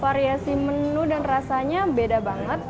variasi menu dan rasanya beda banget